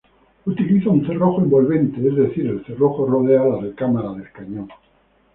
Utiliza un cerrojo "envolvente" es decir, el cerrojo rodea la recámara del cañón.